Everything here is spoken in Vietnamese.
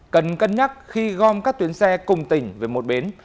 cần cân nhắc khi gom các tuyến xe cùng tỉnh về một bến